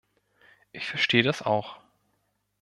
Ich verstehe das auch.